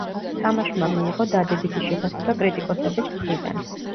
თამაშმა მიიღო დადებითი შეფასება კრიტიკოსების მხრიდან.